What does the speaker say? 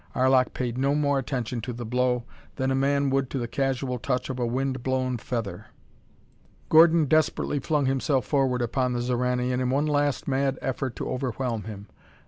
Arlok paid no more attention to the blow than a man would to the casual touch of a wind blown feather. Gordon desperately flung himself forward upon the Xoranian in one last mad effort to overwhelm him.